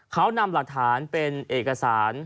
เขานำหลักฐานเป็นเอกสาร